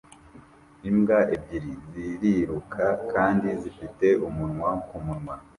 Imbwa ebyiri ziriruka kandi zifite umunwa ku munwa